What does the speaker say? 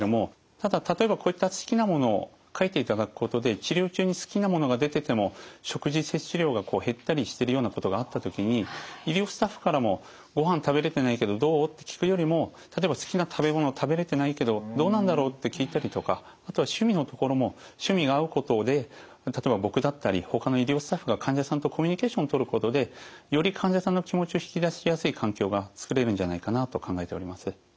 ただ例えばこういった好きなものを書いていただくことで治療中に好きなものが出てても食事摂取量が減ったりしてるようなことがあった時に医療スタッフからも「ごはん食べれてないけどどう？」って聞くよりも例えば「好きな食べ物食べれてないけどどうなんだろう」って聞いたりとかあとは趣味のところも趣味が合うことで例えば僕だったりほかの医療スタッフが患者さんとコミュニケーションを取ることでより患者さんの気持ちを引き出しやすい環境が作れるんじゃないかなと考えております。